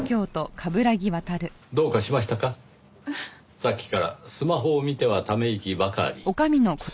さっきからスマホを見てはため息ばかり。